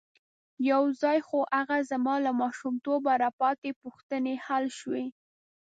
یو ځای خو هغه زما له ماشومتوبه را پاتې پوښتنې حل شوې.